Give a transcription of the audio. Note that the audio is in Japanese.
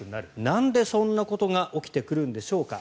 なんで、そんなことが起きてくるんでしょうか。